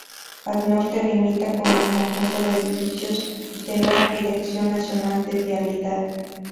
Al norte limita con el conjunto de edificios de la Dirección Nacional de Vialidad.